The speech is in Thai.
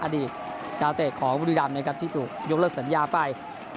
อดีตดาวเตะของบุรีรำนะครับที่ถูกยกเลิกสัญญาไป